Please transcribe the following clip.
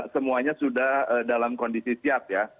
semuanya sudah dalam kondisi siap ya